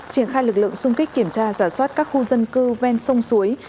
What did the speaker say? triển khai lực lượng xung kích kiểm tra giả soát các khu dân cư ven sông suối